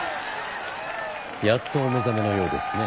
やっとお目覚めのようですね。